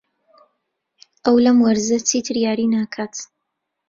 ئەو لەم وەرزە چیتر یاری ناکات.